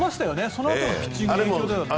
そのあとのピッチングに。